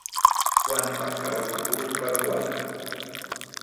Quan passa l'autobús per Gualta?